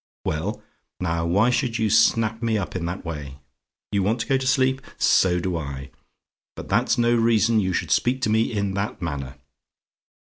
"WELL? "Now, why should you snap me up in that way? "YOU WANT TO GO TO SLEEP? "So do I; but that's no reason you should speak to me in that manner.